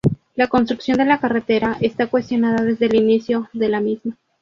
La construcción de la carretera esta cuestionada desde el inicio de de la misma.